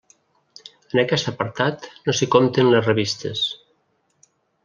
En aquest apartat no s'hi compten les revistes.